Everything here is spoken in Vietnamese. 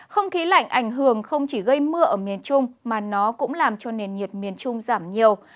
không khí lạnh ảnh hưởng không chỉ gây mưa ở miền trung mà nó cũng làm cho nền nhiệt miền trung giảm nhiều